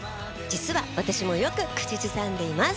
実は私もよく口ずさんでいます。